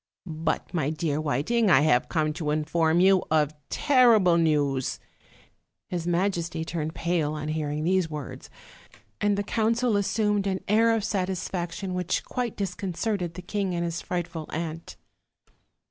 "But, my dear Whiting, I have come to inform you of terrible news. " His majesty turned pale on hearing these words, and the council assumed an air of satisfac tion which quite disconcerted the king and his frightful aunt.